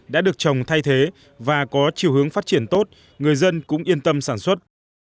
đã được trồng thay thế và có chiều hướng phát triển tốt người dân cũng yên tâm sản xuất